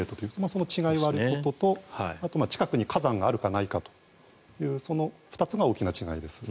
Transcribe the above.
その違いはあることとあと、近くに火山があるかないかというその２つが大きな違いです。